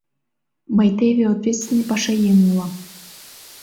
Мый теве ответственный пашаеҥ улам.